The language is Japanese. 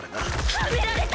はめられた！